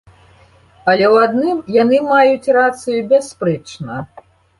Але ў адным яны маюць рацыю бясспрэчна.